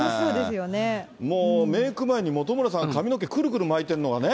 もうメーク前に本村さん、髪の毛くるくる巻いてんのがね。